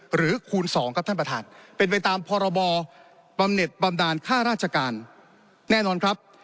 คูณ๒ครับท่านประธานเป็นไปตามพรบำเน็ตบำดาลค่าราชการแน่นอนครับ